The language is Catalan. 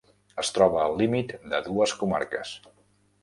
Es troba al límit de dues comarques.